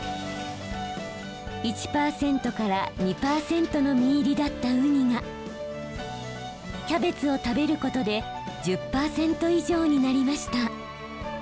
１％から２％の身入りだったウニがキャベツを食べることで１０％以上になりました。